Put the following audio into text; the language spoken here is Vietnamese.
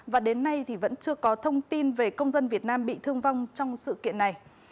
và đến nay thì vẫn chưa có thông tin về công dân việt nam bị thương vong trong sự kiện này